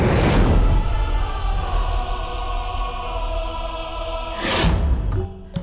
apabila mulai bekerja